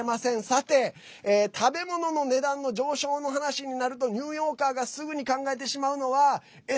さて、食べ物の値段の上昇の話になるとニューヨーカーがすぐに考えてしまうのはえ？